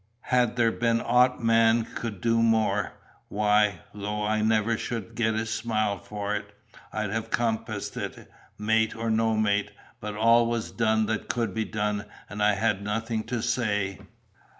Had there been aught man could do more, why, though I never should get a smile for it, I'd have compassed it, mate or no mate; but all was done that could be done, and I had nothing to say.